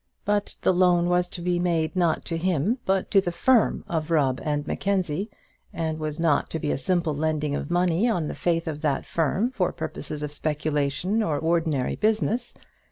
But the loan was to be made not to him but to the firm of Rubb and Mackenzie, and was not to be a simple lending of money on the faith of that firm, for purposes of speculation or ordinary business.